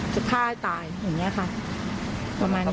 จะฆ่าให้ตายอย่างนี้ค่ะประมาณนั้น